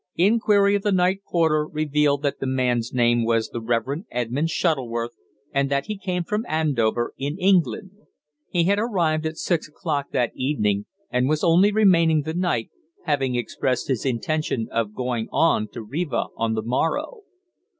Inquiry of the night porter revealed that the man's name was the Reverend Edmund Shuttleworth, and that he came from Andover, in England. He had arrived at six o'clock that evening, and was only remaining the night, having expressed his intention of going on to Riva on the morrow.